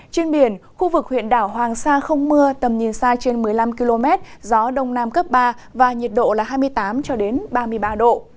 trên biển khu vực huyện đảo hoàng sa không mưa tầm nhìn xa trên một mươi năm km gió đông nam cấp ba và nhiệt độ là hai mươi tám ba mươi ba độ